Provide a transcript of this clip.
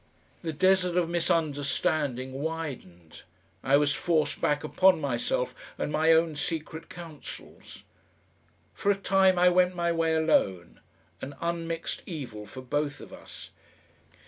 The desert of misunderstanding widened. I was forced back upon myself and my own secret councils. For a time I went my way alone; an unmixed evil for both of us.